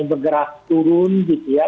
bergerak turun gitu ya